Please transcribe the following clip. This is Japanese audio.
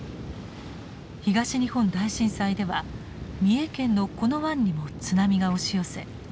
東日本大震災では三重県のこの湾にも津波が押し寄せ